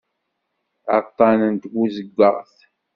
Aṭṭan n tbuzeggaɣt.